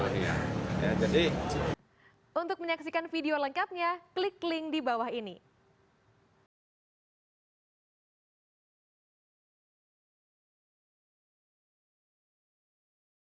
hasil penganiayaan yang mengakibatkan korban junior